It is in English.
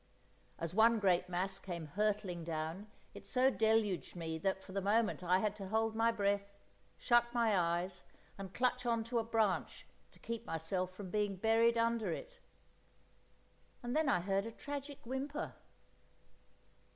As one great mass came hurtling down, it so deluged me that for the moment I had to hold my breath, shut my eyes, and clutch on to a branch to keep myself from being buried under it. And then I heard a tragic whimper.